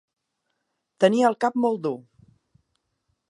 Tenia el cap molt dur.